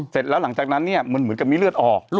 เสร็จแล้วหลังจากนั้นเนี่ยมันเหมือนกับมีเลือดออก